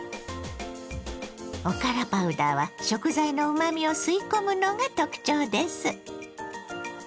おからパウダーは食材のうまみを吸い込むのが特徴です。